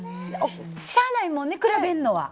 しゃあないもんね、比べるのは。